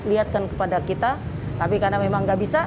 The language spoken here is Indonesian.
lihatkan kepada kita tapi karena memang nggak bisa